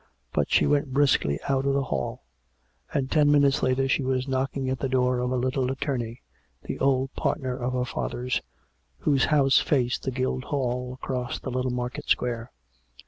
But she went briskly out from the hall, and ten minutes later she was knocking at the door of a little attorney, the old partner of her father's, whose house faced the Guildhall across the little market square.